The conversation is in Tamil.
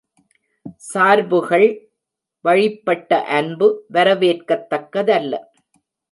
சார்புகள் வழிப்பட்ட அன்பு, வரவேற்கத் தக்கதல்ல.